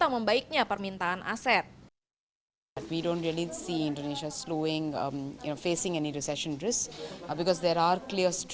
membaiknya permintaan aset